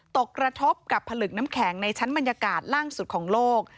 กระทบกับผลึกน้ำแข็งในชั้นบรรยากาศล่าสุดของโลก